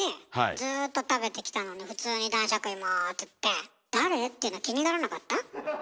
ずっと食べてきたのに普通に「男爵いも」っつって誰っていうの気にならなかった？